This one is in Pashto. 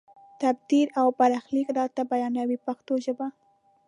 تدبیر او برخلیک راته بیانوي په پښتو ژبه.